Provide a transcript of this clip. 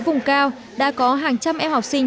vùng cao đã có hàng trăm em học sinh